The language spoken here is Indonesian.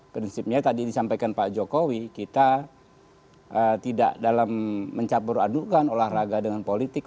prinsipnya tadi disampaikan pak jokowi kita tidak dalam mencabur adukan olahraga dengan politik